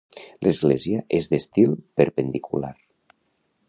L'església és d'estil perpendicular.